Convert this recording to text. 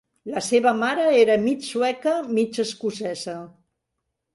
La seva mare era mig sueca, mig escocesa.